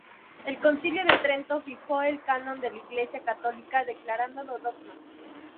El concilio de Trento fijó el canon de la Iglesia católica declarándolo dogma.